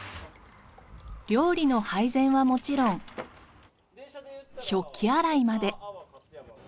料理の配膳はもちろん食器洗いまで。